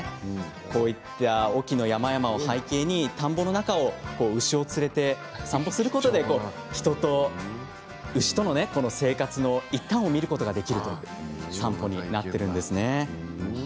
こういった隠岐の山々を背景に田んぼの中を牛を連れて散歩することで人と牛との生活の一端を見ることができるということなんです。